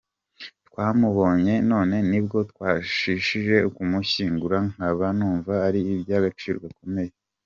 Twamubonye none ni bwo twabashije kumushyingura, nkaba numva ari iby’agaciro gakomeye”.